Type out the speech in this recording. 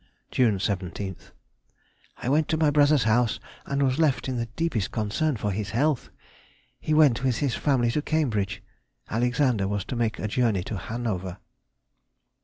June 17th.—I went to my brother's house, and was left in the deepest concern for his health. He went with his family to Cambridge. [Alexander was to make a journey to Hanover.